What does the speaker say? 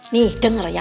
nih denger ya